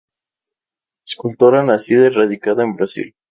Escultora nacida y radicada en Brasil.